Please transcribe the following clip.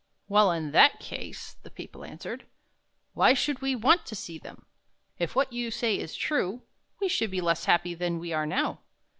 " Well, in that case," the people answered, " why should we want to see them ? If what you say is true, we should be less happy than we are now.